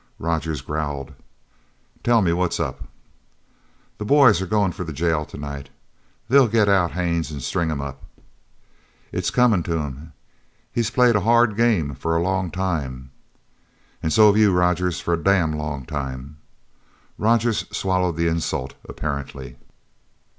Rogers growled: "Tell me what's up." "The boys are goin' for the jail tonight. They'll get out Haines an' string him up." "It's comin' to him. He's played a hard game for a long time." "An' so have you, Rogers, for a damn long time!" Rogers swallowed the insult, apparently.